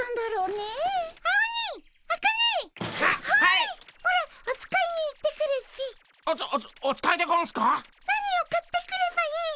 何を買ってくればいいっピ？